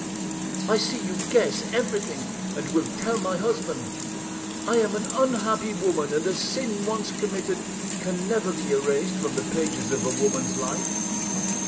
I see you guess everything, and will tell my husband. I am an unhappy woman, and a sin once committed can never be erased from the pages of a woman's life!